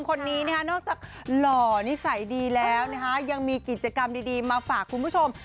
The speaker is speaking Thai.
คนนี้นะฮะนอกจากหล่อนิสัยดีแล้วนะคะยังมีกิจกรรมดีมาฝากคุณผู้ชม